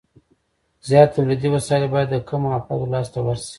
زیات تولیدي وسایل باید د کمو افرادو لاس ته ورشي